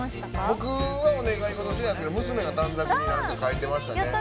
僕はお願い事してないですけど娘が短冊になんか書いてましたね。